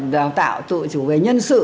tạo tạo tự chủ về nhân sự